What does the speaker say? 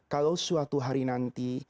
kalau suatu hari nanti